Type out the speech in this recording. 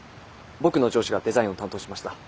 僕の上司がデザインを担当しました。